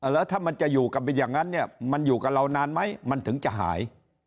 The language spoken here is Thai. แล้วถ้ามันจะอยู่กันเป็นอย่างนั้นเนี่ยมันอยู่กับเรานานไหมมันถึงจะหาย